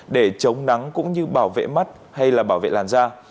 để chống nắng cũng như bảo vệ mắt hay là bảo vệ làn da